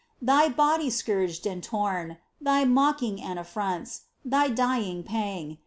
Thy body scourged and torn. Thy mocking and affronts, Thy dying pang